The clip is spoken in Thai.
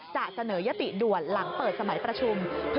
จะเสนอยติด่วนหลังเปิดสมัยประชุม